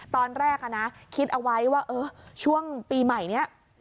ตอนแรกนะคิดเอาไว้ว่าเออช่วงปีใหม่นี้